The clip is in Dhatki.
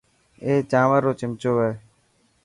اي چانور رو چمچو هي.